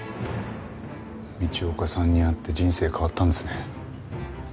道岡さんに会って人生変わったんですね。